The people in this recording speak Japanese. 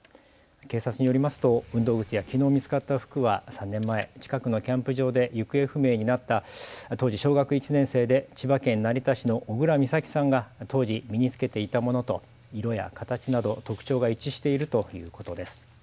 警察によりますと運動靴やきのう見つかった服は３年前、近くのキャンプ場で行方不明になった当時小学１年生で千葉県成田市の小倉美咲さんが当時身に着けていたものと色や形など特徴が一致しているということです。